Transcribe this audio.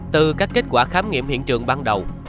từ các kết quả khám nghiệm hiện trường ban đầu